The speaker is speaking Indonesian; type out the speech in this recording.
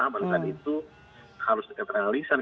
maksudnya itu harus diperanalisan